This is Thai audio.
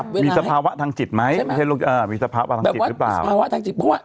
มีสภาวะธางจิตไหม